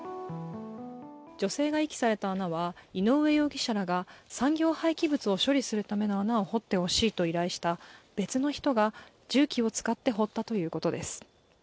女性が遺棄された穴は、井上容疑者らが産業廃棄物を処理するための穴を掘ってほしいと依頼した別の人が重機を使って掘ったということです。